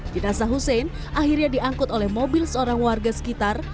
jenazah husein akhirnya diangkut oleh mobil seorang warga sekitar